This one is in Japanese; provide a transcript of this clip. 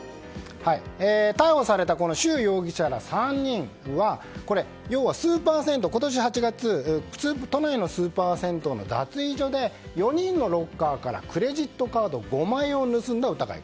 逮捕されたシュウ容疑者ら３人は今年８月、都内のスーパー銭湯の脱衣所で４人のロッカーからクレジットカード５枚を盗んだ疑い。